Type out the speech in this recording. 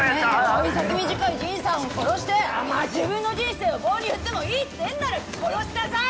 老い先短いじいさんを殺して自分の人生を棒に振ってもいいっていうなら殺しなさい！